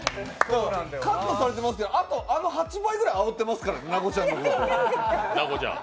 カットされてますけど、あの８倍ぐらいあおってますからね、奈子ちゃん。